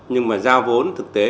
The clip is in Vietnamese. nhưng mà giao vốn thực tế